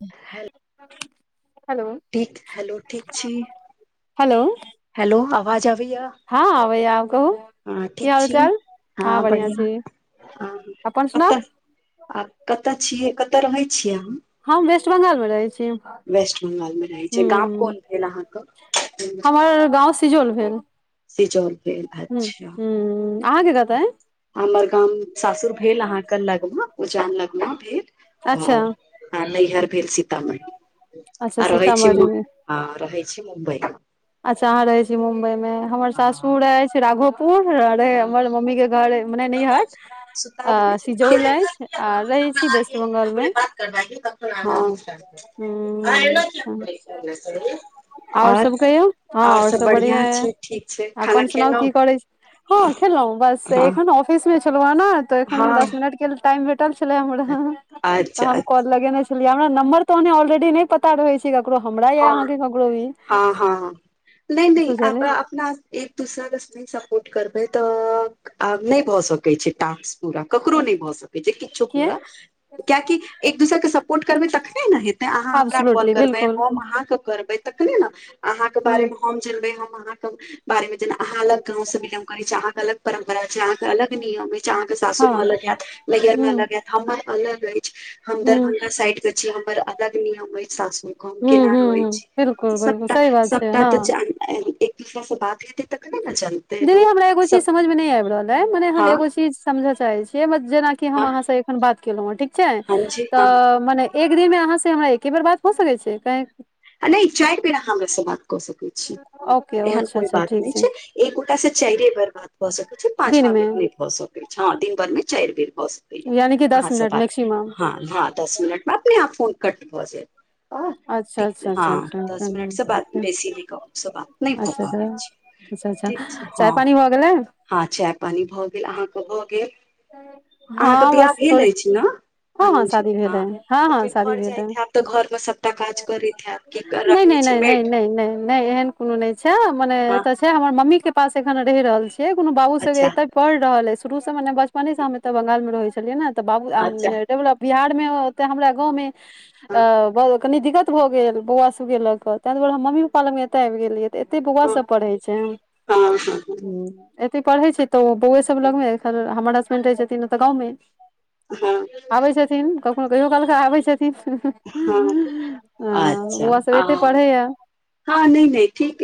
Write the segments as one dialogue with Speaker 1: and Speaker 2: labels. Speaker 1: ह
Speaker 2: त
Speaker 1: ठीक हेलो ठीक छी
Speaker 2: हेलो
Speaker 1: हैलो आवाज आबीय
Speaker 2: हँ अै आ कू
Speaker 1: हँ ठीक छी हँ बढ़िआ
Speaker 2: छी
Speaker 1: ह
Speaker 2: अपन सुनाउ
Speaker 1: कता आ कतय छियै कतय रहै छियै आहा
Speaker 2: हम वेस्ट बंगाल मे रहै छी ह
Speaker 1: बंगाल मे रहै छै गाम कोन भेल
Speaker 2: हमर गाँं सिजल भेल
Speaker 1: सिजोल भेल अच्छा
Speaker 2: आज देतै
Speaker 1: हमर गामंव सासुर भेल अहाँ के लगमा उ्जान लगमा भेल
Speaker 2: अच्छा
Speaker 1: आओर आ नैहर भेल सीतामढ़ी
Speaker 2: अच्छा
Speaker 1: आ रहै छी
Speaker 2: सीतामढ़ी मे
Speaker 1: हँ रहै छी मुम्बई
Speaker 2: अच्छा अहाँ रहै छी मुम्बई में हमर सासुर रह अछि राघोपुर प रह
Speaker 1: हँ
Speaker 2: हमर मम्मी के घर मने नहट
Speaker 1: सुता
Speaker 2: अ
Speaker 1: देने छै
Speaker 2: सिजौल लंच आ रहै छी वेस्ट बंगाल मे
Speaker 1: कर कक आ
Speaker 2: हूँ आओर सब कहियौ हँ
Speaker 1: आओर सब बढ़ििया
Speaker 2: बढ़ियां य
Speaker 1: छै ठीक छै खाना
Speaker 2: अपन सुनाउ
Speaker 1: खेलहुँ
Speaker 2: की करै छी हँ खेलहुं बस
Speaker 1: हँ
Speaker 2: एखन ऑफिस मे छलहु हँ ने तऽ एखन
Speaker 1: हँ
Speaker 2: दस मिनट के टाइमे छल हमरा तऽ
Speaker 1: अच्छा
Speaker 2: हम कॉल
Speaker 1: अच्छा
Speaker 2: लगेने छलियै हमरा नम्बर त ऑलरेडी प पता रहै छै ककरो हमरा य
Speaker 1: हँ
Speaker 2: अहाँके ककरो भ
Speaker 1: हँ हँ नहि नहि
Speaker 2: सोचल
Speaker 1: आप अपना एक दसरा क एक दसर के। सपो र्ट करबै तऽ आब नहि भऽ सकै छै टास्क पूरा ककरो नहि भऽ सकै छै
Speaker 2: किया
Speaker 1: किये त एक दोसर के सपोर्ट करबै रखने न हेतै आहा हमरा कौल
Speaker 2: एब्सोल्युटली
Speaker 1: करबैहम अहाके
Speaker 2: बिल्कुल
Speaker 1: अहा के करबैतखने न आहा के
Speaker 2: हूँ
Speaker 1: बारे में हम झेलबैहम अहा के बारे में जेना अहाँ लग गाव से बिलोगै छीिय अहाँ अलग परम्परा छै अहाँकेँ अलग नियम मे छै अहाँकेँ सासु
Speaker 2: हँ
Speaker 1: मे अलग हयत लैयर मे
Speaker 2: हूँ
Speaker 1: अलग आयत हमर अलगय हम
Speaker 2: हूँ
Speaker 1: दरभंगा साइड के छी हमर अलग नियम अछि सासुर को।
Speaker 2: हूँ
Speaker 1: केना
Speaker 2: हूँ
Speaker 1: रहै
Speaker 2: हूँ
Speaker 1: छै
Speaker 2: बिल्कुल बिल्कुल
Speaker 1: सभटा
Speaker 2: सही बात छै
Speaker 1: सभटा तऽ
Speaker 2: हँ
Speaker 1: जान एक दूसरा से बात हेतै तखने ने चल
Speaker 2: दीदी हमरा एगो चीज समझ मे नहि आबि रहल है मने हम
Speaker 1: हँ
Speaker 2: एगो चीज समझय चाहे छी। से मे जेनाकि हम
Speaker 1: हँ
Speaker 2: अहाँ से एखन बात केलहु हैं ठीक छै
Speaker 1: हँ जी हँ
Speaker 2: तऽ मने एक दिन मे अहाँ से हमरा एके बेर बात हो सके छै
Speaker 1: आ नहि चारि बेना अहाँ हमरा से बात कऽ सकैत छी
Speaker 2: ओके
Speaker 1: एहन
Speaker 2: अच्छा
Speaker 1: कोई
Speaker 2: अच्छा
Speaker 1: बात
Speaker 2: ठीक
Speaker 1: नहि छै एकोटा से चारिे बेर बात भए सकल छै पाँचवा
Speaker 2: दिनमे
Speaker 1: बेर नहि भए सकल छै दिन भर मे चारि बेर भए सक
Speaker 2: यानि कि दस मिनट मैक्सिमम।
Speaker 1: हँ दस मिनट मे अपने यै फोन कट भऽ जात
Speaker 2: अच्छा अच्छा अच्छा।
Speaker 1: सुभ।
Speaker 2: अच्छा अच्छा अच्छा चाय पानी भऽ गेलै
Speaker 1: ह चाय पानी भऽ गेल अहाँकेँ भऽ गेल अहाँकेँ
Speaker 2: हँ
Speaker 1: बियाह
Speaker 2: बस
Speaker 1: भेल
Speaker 2: थोड़े
Speaker 1: अछि ने
Speaker 2: हँ हँ
Speaker 1: अनुजी
Speaker 2: शादी भेल
Speaker 1: ह
Speaker 2: है हँ
Speaker 1: तऽ
Speaker 2: हँ
Speaker 1: फेर
Speaker 2: शादी
Speaker 1: घर
Speaker 2: भेल
Speaker 1: जाई
Speaker 2: है
Speaker 1: आब तऽ घर मे सबटा काज करैत आब
Speaker 2: नहि नहि नहि नहि नहि एहन कोनो नहि छै मने
Speaker 1: हँ
Speaker 2: एतय छै हमर मम्मी के पास एखन रहि रहल छियै कोनो बाबू सभ के
Speaker 1: अच्छा
Speaker 2: एतऽ पढ़ि रहल अछि ई शुरूसँ मने बचपनेसँ हम एतऽ बंगाल मे रहै छलियै ने तऽ बाबू आब
Speaker 1: अच्छा
Speaker 2: डेवलप बिहार मे ओते हमरा गाव मे
Speaker 1: हँ
Speaker 2: आ बहुत कनि दिक्क भऽ गेल बौआ सभके लऽ कऽ तऽ दुआरे हम मम्मी पप्पा लग एतय आबि गेलिय तऽ तऽ एते बौआ सब पढ़ै छै
Speaker 1: हँ
Speaker 2: एते पढ़ै छै तऽ ओ बौए सभ लगमे एखन हमर हसबैड रहै छथिन ओतऽ गाव मे आबै छथिन कखनो कहियो कालके आबै छथिन।
Speaker 1: ह
Speaker 2: हँ
Speaker 1: अच्छा
Speaker 2: बौआ सब
Speaker 1: आ
Speaker 2: एते पढ़ैया
Speaker 1: ह नहि नहि ठीक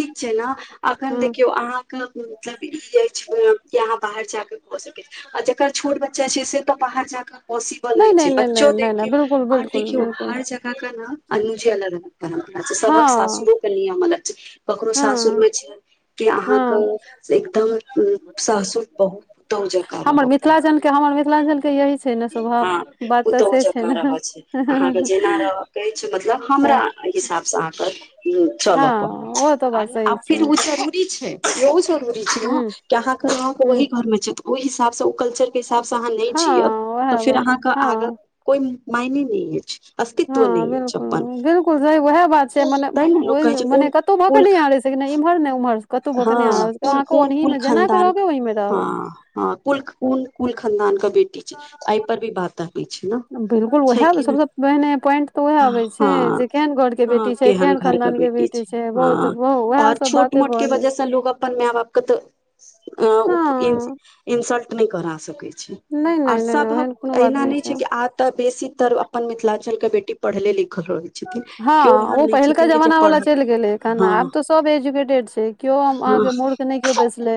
Speaker 1: ठीक छै ने अखन
Speaker 2: हँ
Speaker 1: देखियौ अहाँ मतलब ई जे यहाँ। बाहर जाकऽ हो सकैत छै आ जकर छोट बच्चा छै से तऽ बाहर जाक पॉसिबल नहि छै बच्चो
Speaker 2: नहि नहि नहि
Speaker 1: देखौ
Speaker 2: बिल्कुल
Speaker 1: आर
Speaker 2: बिल्कुल
Speaker 1: देखियौ
Speaker 2: बिल्कुल
Speaker 1: हरे जगह अनुजी आ रह परम्परा सँ
Speaker 2: हँ
Speaker 1: सासुरो के नियमल छै करो सासुर
Speaker 2: हँ
Speaker 1: मे छै के
Speaker 2: हँ
Speaker 1: अहाँकेँ एकदम ससुर बहुततो जकाँ
Speaker 2: हमर
Speaker 1: रहत
Speaker 2: मिथिलाञ्चल हमर मिथिलांचल के यही छै ने स्वभाव
Speaker 1: हँ
Speaker 2: बात तऽ
Speaker 1: पुतहु
Speaker 2: से छै ने
Speaker 1: अहाँके जेना रहयके कहै छै मतलब हमरा। हिसाब से अहाँकेँ चलय
Speaker 2: हँ
Speaker 1: पड़त
Speaker 2: ओ तऽ बात
Speaker 1: आ
Speaker 2: सही
Speaker 1: फिर
Speaker 2: छै
Speaker 1: उ जरूरी छै बहुत जरुरी छै ने
Speaker 2: हुँ
Speaker 1: कि अहाँ
Speaker 2: हुँ
Speaker 1: वह घर मे छै ओहि हिसाब से ओ कल्चर के। साहाँ नहि
Speaker 2: हँ
Speaker 1: जियब त
Speaker 2: उएह
Speaker 1: फेर
Speaker 2: बात छै
Speaker 1: अहाँकेँ आगा
Speaker 2: हँ
Speaker 1: कोइ मायने नहि अछि अस्तित्व
Speaker 2: हँ
Speaker 1: नहि अछि अपन
Speaker 2: बिल्कूल बिल्कूल सही उएह बात छै मने
Speaker 1: तैँ ने लोक
Speaker 2: ओहि
Speaker 1: कहै छै कोन
Speaker 2: मने कतहु भऽ के
Speaker 1: कुल
Speaker 2: न आरे से नहि एम्हर ने ओम्हर कतबो क
Speaker 1: हँ
Speaker 2: ओनाहिमे तऽ
Speaker 1: कुल
Speaker 2: अहाँकेँ
Speaker 1: कोन
Speaker 2: ओनही मे जेनाके रहबै ओहि मे रहब
Speaker 1: ह कुल कुल खनदान के बेटी छै एहि पर भी बात अबै छै ने
Speaker 2: बिल्कुल
Speaker 1: छै
Speaker 2: उएह
Speaker 1: कि नहि
Speaker 2: सबसँ पहिने पॉइंट तऽ उएह अबै छै जे केहन घर के
Speaker 1: हँ
Speaker 2: बेटी छै
Speaker 1: केहन घर के
Speaker 2: खानदान
Speaker 1: बेटी
Speaker 2: छै बहुत
Speaker 1: हँ
Speaker 2: उएह
Speaker 1: ओर
Speaker 2: सब
Speaker 1: छोट
Speaker 2: बाते
Speaker 1: मोट के
Speaker 2: भऽ गेल
Speaker 1: वजह से लोग अपन माय बापके तऽ
Speaker 2: हँ
Speaker 1: अउप इ इन्सल्ट नहि करा सकै छै
Speaker 2: नहि
Speaker 1: आम
Speaker 2: नहि
Speaker 1: ओर
Speaker 2: नहि नहि
Speaker 1: सभ
Speaker 2: ओहन
Speaker 1: कऽ
Speaker 2: कोनो बात
Speaker 1: एहिहिना नहि छै कि आब तऽ बेसी तर अपन मिथिलाचल के बेटी पढ़ले लिखल हो
Speaker 2: हँ ओ पहिलका जमाना वाला चलि गेलैन एखन
Speaker 1: हँ
Speaker 2: आब तऽ सभ एजुकेटेड छै केओ
Speaker 1: हँ
Speaker 2: अहाँकेँ मूर्ख नहि केओ बेसले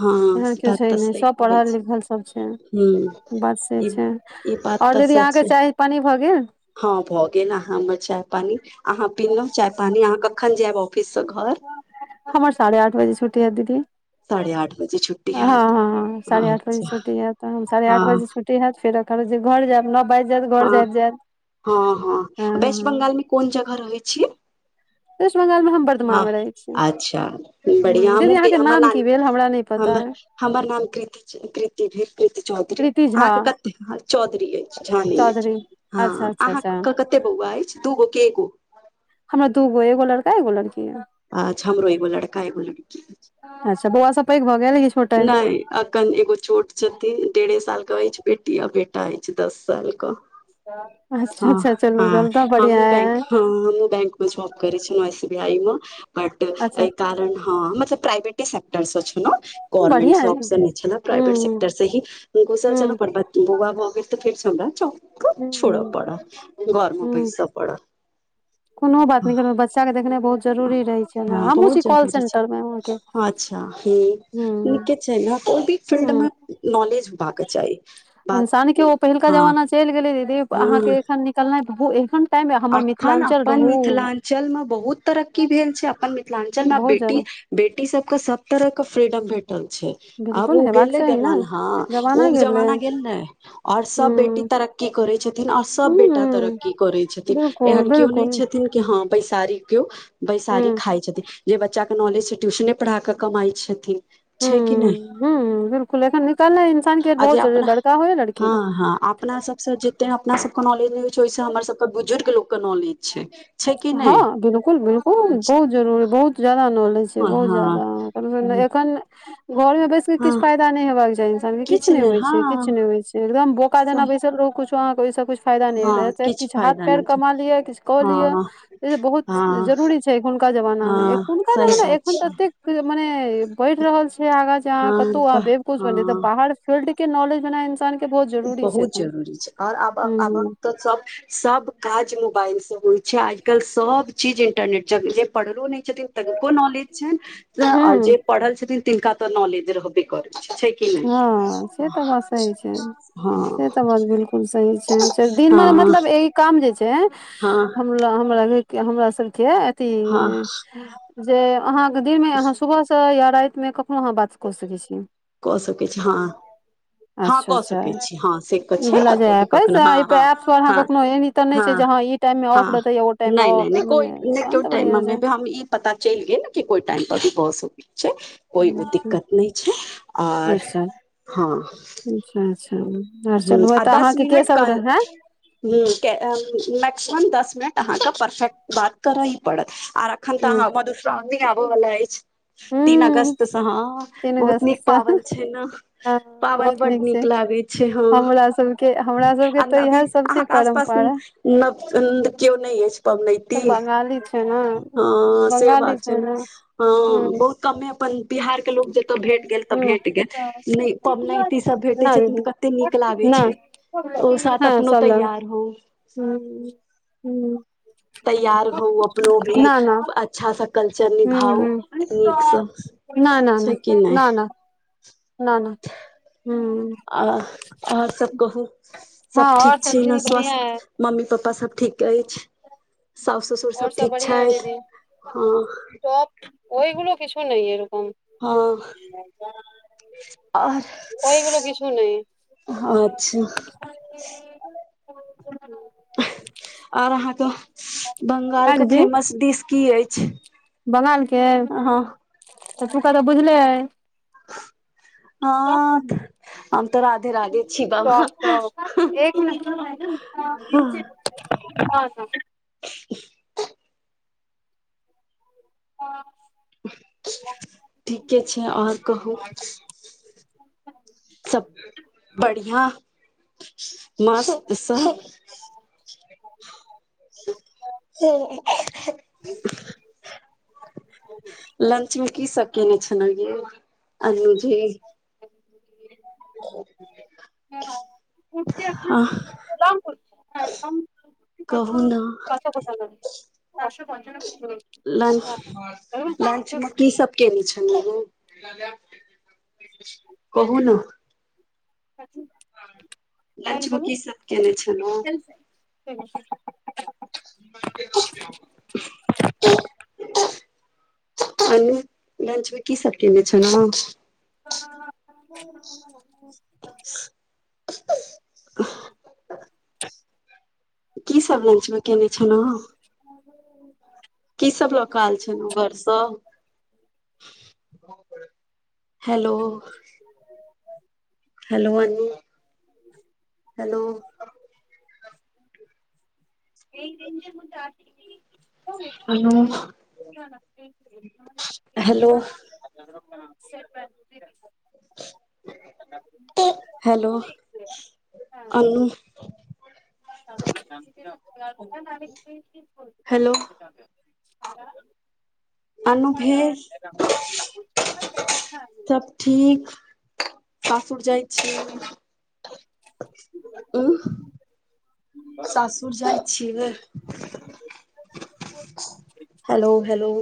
Speaker 1: हँ
Speaker 2: के
Speaker 1: बात
Speaker 2: छै
Speaker 1: तऽ
Speaker 2: नहि
Speaker 1: सही
Speaker 2: सभ
Speaker 1: कहै
Speaker 2: पढ़ल
Speaker 1: छै
Speaker 2: लिखल सभ छै
Speaker 1: हूँ
Speaker 2: बात से
Speaker 1: ई
Speaker 2: छै
Speaker 1: ई बात
Speaker 2: आओर
Speaker 1: तऽ
Speaker 2: दीदी
Speaker 1: सच
Speaker 2: अहाँकेँ
Speaker 1: छै
Speaker 2: चाय पानि भऽ गेल
Speaker 1: हँ भऽ गेल अहाँ मे चाय पानी अहाँ पीलहुँ चाय पानी अहाँ कखन जायब ऑफिस से घर
Speaker 2: हमर साढ़े आठ बजे छुटी हैतय दीदी।
Speaker 1: साढ़े आठ बजे छुट्टी
Speaker 2: ह
Speaker 1: हैत
Speaker 2: ह साढ़े आठ बजे
Speaker 1: अच्छा
Speaker 2: छुटी हैतय तऽ साढ़े आठ
Speaker 1: हँ
Speaker 2: बजे छटी हयत फेर जे घर जायब नै बाज
Speaker 1: हँ हँ
Speaker 2: हँ
Speaker 1: वेस्ट
Speaker 2: हँ
Speaker 1: बंगाल मे कोन जगह रहै छियै
Speaker 2: वेस्ट बंगाल मे हम वर्धमान
Speaker 1: हुँ
Speaker 2: मे रहै छी
Speaker 1: अच्छा
Speaker 2: ह
Speaker 1: बढ़िआ
Speaker 2: दीदी
Speaker 1: हमु गे
Speaker 2: अहाँके
Speaker 1: हमर
Speaker 2: नाम की
Speaker 1: नानी
Speaker 2: भेल हमरा नहि पता
Speaker 1: हमर
Speaker 2: अइ?
Speaker 1: हमर नाम कीति कीति भेल कीति चौधरी
Speaker 2: कृति झा
Speaker 1: अहाँकेँ क चौधरी अछि झानी अछि
Speaker 2: चौधरी
Speaker 1: हँ
Speaker 2: अच्छा अच्छा अच्छा
Speaker 1: अहाँकेँ कते बौआ अछि दूगो के एगो
Speaker 2: हमरा दूगो एगो लड़का एगो लड़की यै
Speaker 1: अचछ हमरो एगो लड़का एगो लड़की।
Speaker 2: अच्छा बौआा सभ पैघ भऽ गेलै किछ
Speaker 1: नहि। अखन एगो छोट छथिन डेढ़े साल के अछि बेटी आ बेटा अछि दस साल क ह
Speaker 2: अच्छा अच्छा
Speaker 1: ह
Speaker 2: चलू तहन तऽ
Speaker 1: ह
Speaker 2: बढ़ियां
Speaker 1: बैंक
Speaker 2: अइ
Speaker 1: हमहू बैंक जॉब कर छल सी बी आई मे बट
Speaker 2: अच्छा
Speaker 1: एहि कारण हा मतलब प्रावेट से्टर से छै ने
Speaker 2: बढ़ियां अइ
Speaker 1: गोवर्नमेंट छल प्रवेट
Speaker 2: हूं
Speaker 1: सेक्टर से ही घुसल छल
Speaker 2: हूं
Speaker 1: बौआ भऽ गेलै तऽ फेर सँ छोड़ऽ
Speaker 2: हूं
Speaker 1: पड़ा घर मे
Speaker 2: हूं
Speaker 1: बैस पड़ा
Speaker 2: चाक देखने बहुत। जरूरी रहै छै ने
Speaker 1: ह
Speaker 2: हमहुँ छी
Speaker 1: बहुत
Speaker 2: कॉल
Speaker 1: जरूरी छै
Speaker 2: सेंटर मे अहाँके
Speaker 1: अच्छा हैं
Speaker 2: हूं
Speaker 1: नीके छै ने भी फिल्ड मे नॉलेज होबा कऽ के चाही बात
Speaker 2: सान के ओ पहिलका
Speaker 1: हँ
Speaker 2: जमाना चलि गेलै दीदी
Speaker 1: हँ
Speaker 2: अहाँकेँ एखन निकलनाइ एखन टाइम हमर
Speaker 1: अखन
Speaker 2: मिथिलाञ्चल
Speaker 1: अपन
Speaker 2: रहू
Speaker 1: मिथिलांचल मे बहुत तरक्की भेल छै अपन मिथिलांचल मे
Speaker 2: बहुत
Speaker 1: बेटी
Speaker 2: जादा
Speaker 1: बेटी सभ के सभ तरह के फ्रीडम भेटल छै आब
Speaker 2: बिल्कुल
Speaker 1: ओ
Speaker 2: हेबाक
Speaker 1: गेले
Speaker 2: चाही ने
Speaker 1: जमा हा ओ जमाना गेल्ले रह और
Speaker 2: हूं
Speaker 1: सभ बेटी तरक्की तरक्की करै छथिन आओर सभ बेटा
Speaker 2: हूं
Speaker 1: तरक्की करै छथिन
Speaker 2: बिल्कुल
Speaker 1: एहन केओ नहि
Speaker 2: बिल्कुल
Speaker 1: छथिन नै कि हँ बैशारी केओ
Speaker 2: हूं
Speaker 1: बैशारी खाइ छथिन जे बच्चा के नॉलेज छै ट्यूशने पढ़ाके कमाई छथिन छै कि नहि
Speaker 2: हैं बिल्कूल एखन निकलना है इंसान के
Speaker 1: आ
Speaker 2: बहुत
Speaker 1: जे
Speaker 2: ज
Speaker 1: अपना
Speaker 2: लड़का हो है लड़की।
Speaker 1: हँ हँ अपना जते अपना सभके के नॉलेज नहि होई छै ओहिस हमर सभ के बुजुर्ग लोको के नॉलेज छै कि
Speaker 2: हँ
Speaker 1: नहि
Speaker 2: बिल्कूल बिल्कूल बहुत जरुरी बहुत जादा नॉलेज छै
Speaker 1: हँ
Speaker 2: बहुत जादा एखन घर मे बैस के
Speaker 1: हँ
Speaker 2: किछ फायदा नहि हेवबाक के चाही इंसान के किछु ने
Speaker 1: नहि
Speaker 2: होइ छै किछु
Speaker 1: हँ
Speaker 2: ने होई छै एकदम बौका देना
Speaker 1: सही
Speaker 2: बैसल रहु कुछोहाँ केसा क फायदा नहि
Speaker 1: हँ
Speaker 2: रहै किछु हाथ
Speaker 1: फायदा
Speaker 2: पैर
Speaker 1: नहि छै
Speaker 2: कमा लिय आ किछु कऽ लिअ
Speaker 1: हँ
Speaker 2: जा बहुत
Speaker 1: हँ
Speaker 2: जरूरी छै एखुन का जमाना मे
Speaker 1: हँ
Speaker 2: एखुन का
Speaker 1: सही
Speaker 2: जमाना
Speaker 1: बात
Speaker 2: एखन तऽ
Speaker 1: छियै
Speaker 2: एतेक मने बढ़ि रहल छै आगहाँ
Speaker 1: हँ
Speaker 2: कताँ
Speaker 1: तऽ
Speaker 2: बेकुछ बने
Speaker 1: हँ
Speaker 2: बाहर फील्ड के नॉलेज बना इन्सान क
Speaker 1: बहुत जरूरी छै आओर आब
Speaker 2: हूँ
Speaker 1: आब कऽ
Speaker 2: हूँ
Speaker 1: तऽ सभ सभ काज मोबाइल से होई छै आज कल सभ चीज इंटरनेट जे पढ़लो नहि छथिन तनको नॉलेज छनि आर
Speaker 2: हूँ
Speaker 1: जे पढ़ल छथिन तिनका तऽ नॉलेज रहबे करैत छै। कि
Speaker 2: ह
Speaker 1: नहि
Speaker 2: से तऽ बसै छै से
Speaker 1: हँ
Speaker 2: तऽ बहुत बिल्कूल सही छै दिनमे
Speaker 1: हँ
Speaker 2: मतलब ई काम जे छै
Speaker 1: हँ
Speaker 2: न हमरा नै हमरा सबके अथी
Speaker 1: हँ
Speaker 2: जे अहाँके दिन मे अहाँ सुबह से या राति मे कखनो अहाँ बात कऽ सकै छीयै
Speaker 1: कऽ सकै छी हँ हँ
Speaker 2: अच्छा
Speaker 1: कऽ
Speaker 2: अच्छा
Speaker 1: सकै छी हँ से कऽ
Speaker 2: ई
Speaker 1: छै
Speaker 2: वला जे
Speaker 1: कतौ भी
Speaker 2: एप अइ से
Speaker 1: कखनो हँ
Speaker 2: एहि एप
Speaker 1: हँ
Speaker 2: पर अहाँ
Speaker 1: हँ हँ
Speaker 2: कखनो एनी तऽ नहि छै
Speaker 1: हँ
Speaker 2: जे ई टाइम मे
Speaker 1: हँ
Speaker 2: ऑफ रहतै या ओ टाइम मे
Speaker 1: नै नै
Speaker 2: ऑफ
Speaker 1: नै कोय
Speaker 2: मने
Speaker 1: नै
Speaker 2: तहन तऽ
Speaker 1: कयोटाइ
Speaker 2: बढ़िआँ
Speaker 1: मम्मी
Speaker 2: छै
Speaker 1: हम ई पता चलि गेल कि कोइ टाइम प भी बस हो छै कोइ उ
Speaker 2: अच्छा
Speaker 1: दिक्कत नै छै आर
Speaker 2: अच्छा
Speaker 1: हँ
Speaker 2: अच्छा अच्छा आर चलबै तऽ अहाँके के सब रहै
Speaker 1: मैक्सिम दस मिनट अहाँके परफेक्ट बात करऽ ही पड़त आर एखन तऽ
Speaker 2: हूँ
Speaker 1: अहाँ मधुश्रावनि आबय वाला अछि तीन
Speaker 2: हूँ
Speaker 1: अगस्त स हँ
Speaker 2: तीन
Speaker 1: बहुत
Speaker 2: अगस्त
Speaker 1: नीक
Speaker 2: सँ
Speaker 1: पाबनि छै न
Speaker 2: हँ
Speaker 1: पाबनि
Speaker 2: बहुत
Speaker 1: बड
Speaker 2: छै
Speaker 1: नीक लागै छै हँ
Speaker 2: हमरा सबके हमरा सबके
Speaker 1: आ
Speaker 2: तऽ
Speaker 1: अबी
Speaker 2: इएह सब छै
Speaker 1: अहाँके आसपास
Speaker 2: परम्परा
Speaker 1: न केओ नै अछि पवनैती
Speaker 2: तऽ बंगाली छै ने
Speaker 1: हँ से
Speaker 2: बंगाली
Speaker 1: बात छै न
Speaker 2: ने
Speaker 1: हँ
Speaker 2: हूँ
Speaker 1: बहुत कमे अपन बिहार लोक जत भेट गेल तऽ
Speaker 2: हूँ
Speaker 1: भेट गेल नै पबनैती सब भेटै
Speaker 2: ना
Speaker 1: छथिन त
Speaker 2: दीदी
Speaker 1: कते नीक लागै
Speaker 2: ना
Speaker 1: छै ओ साथ
Speaker 2: हँ
Speaker 1: अपनो
Speaker 2: सब लग
Speaker 1: तैयार होव
Speaker 2: हूँ हूँ
Speaker 1: तैयार हो अपनो भी
Speaker 2: ना ना
Speaker 1: अच्छा सा कल्चर
Speaker 2: हूँ
Speaker 1: निभाउ
Speaker 2: हूँ
Speaker 1: नीकसँ
Speaker 2: ना ना
Speaker 1: छै
Speaker 2: ना
Speaker 1: कि नहि
Speaker 2: ना ना ना ना हूँ
Speaker 1: आ आओर सब कहू
Speaker 2: हँ
Speaker 1: सब
Speaker 2: और
Speaker 1: ठीक छी न
Speaker 2: दीदी बढ़िया है
Speaker 1: स्वस्थ मम्मी पप्पा सब ठीक अछि सौस ससुर सब ठीक छथि हँ
Speaker 2: पोप ओईगलो किछु नै एरकम
Speaker 1: हँ आर अच्छा
Speaker 2: [unintelligible]
Speaker 1: आओर अहाँके
Speaker 2: यै
Speaker 1: बंगालके
Speaker 2: दीदी
Speaker 1: फेमस डिश की अछि
Speaker 2: बंगाल के
Speaker 1: हँ
Speaker 2: एतिहासिक तऽ बुझले आय
Speaker 1: हँ हम तऽ राधे
Speaker 2: सब
Speaker 1: राधे छी बाबा
Speaker 2: [unintelligible] एक मिनट [unintelligible]
Speaker 1: [inaudible]
Speaker 2: हँ
Speaker 1: ठीके छै आओर कहू
Speaker 2: [inaudible]
Speaker 1: सब बढ़िया माॅं सब [inaudible] [unintelligible] लंच मे की सबकने छलौ यै अनुजी
Speaker 2: हँ कि अपने
Speaker 1: अह
Speaker 2: [unintelligible] रामपुर के छथि हम त
Speaker 1: कहू
Speaker 2: भेलौं
Speaker 1: न
Speaker 2: फतहपुर [unintelligible] ह आठ सए पञ्चानबे क [unintelligible]
Speaker 1: लंच लंचमे की सब केने छलौ हँ कहू न
Speaker 2: [inaudible] कथी से
Speaker 1: लंच मे
Speaker 2: एलहु
Speaker 1: की सब केने छलौं
Speaker 2: ट्रेन से
Speaker 1: [inaudible] अनु लंच मे की सब कने छलो
Speaker 2: [inaudible]
Speaker 1: [inaudible]
Speaker 2: [inaudible]
Speaker 1: की सब लंच मे केने छलो की सब लऽ कऽ आयल छ उ घरसँ [inaudible] hello hello Anu hello
Speaker 2: [inaudible]
Speaker 1: Anu hello
Speaker 2: [inaudible] [inaudible] [inaudible]
Speaker 1: [inaudible] hello Anu hello
Speaker 2: [inaudible]
Speaker 1: Anu फेर [inaudible] सब ठीक सासुर जाइ छी उह
Speaker 2: [inaudible]
Speaker 1: सासुर जाइ छी हेलो हेलो